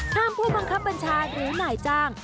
ผู้บังคับบัญชาหรือนายจ้าง